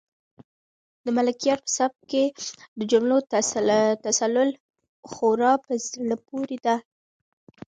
د ملکیار په سبک کې د جملو تسلسل خورا په زړه پورې دی.